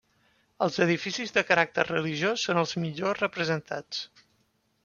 Els edificis de caràcter religiós són els millor representats.